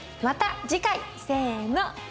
また次回せの！